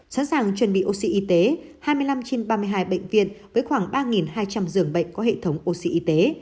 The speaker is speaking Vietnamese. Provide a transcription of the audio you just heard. sẵn sàng chuẩn bị oxy y tế hai mươi năm trên ba mươi hai bệnh viện với khoảng ba hai trăm linh giường bệnh có hệ thống oxy y tế